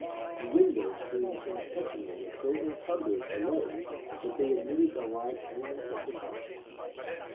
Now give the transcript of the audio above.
The windows seemed intentionally so encumbered below that they admitted the light only from the top.